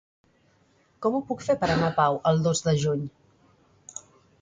Com ho puc fer per anar a Pau el dos de juny?